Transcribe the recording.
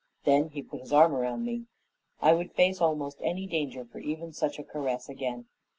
"Then he put his arm around me. I would face almost any danger for even such a caress again."